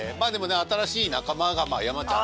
新しい仲間が山ちゃん。